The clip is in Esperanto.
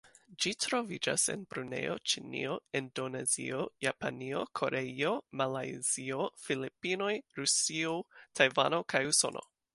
Ĝi troviĝas en Brunejo, Ĉinio, Indonezio, Japanio, Koreio, Malajzio, Filipinoj, Rusio, Tajvano kaj Usono.